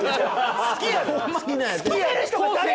好きやねん！